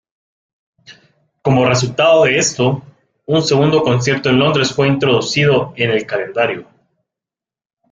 Como resultado de esto, un segundo concierto en Londres fue introducido en el calendario.